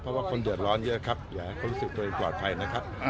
เพราะว่าคนเดือดร้อนเยอะครับอยากให้เขารู้สึกตัวเองปลอดภัยนะครับ